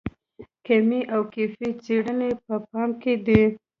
کمي او کیفي څېړنې په پام کې دي.